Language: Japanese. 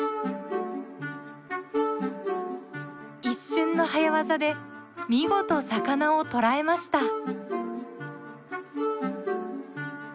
一瞬の早業で見事魚を捕らえました。